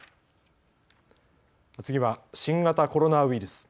次は新型コロナウイルス。